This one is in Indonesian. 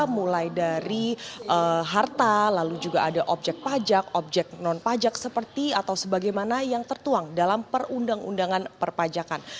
mulai dari harta lalu juga ada objek pajak objek non pajak seperti atau sebagaimana yang tertuang dalam perundang undangan perpajakan